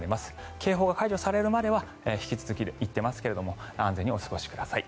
警報が解除されるまでは引き続き言っておりますが安全にお過ごしください。